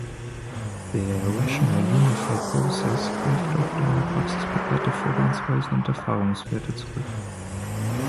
Der Rational Unified Process greift auf in der Praxis bewährte Vorgehensweisen und Erfahrungswerte zurück.